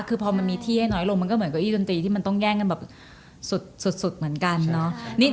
คือพอมันมีที่ให้น้อยลงมันก็เหมือนเก้าอี้ดนตรีที่มันต้องแย่งกันแบบสุดเหมือนกันเนาะ